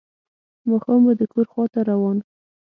ماښام به د کور خواته روان و.